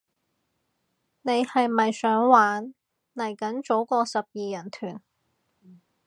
你係咪想玩，嚟緊組個十二人團